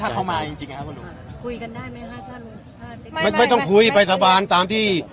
ถ้าเขามาจริงจริงฮะคุยกันได้ไหมฮะไม่ไม่ไม่ต้องคุยไปสาบานตามที่